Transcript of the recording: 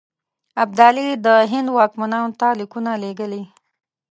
ابدالي د هند واکمنانو ته لیکونه لېږلي.